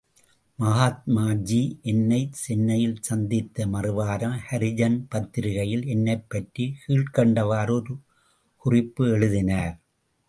மகாத்மாஜி என்னை சென்னையில் சந்தித்த மறுவாரம் ஹரிஜன் பத்திரிகையில் என்னைப்பற்றி கீழ்க்கண்டவாறு ஒரு குறிப்பு எழுதினார்.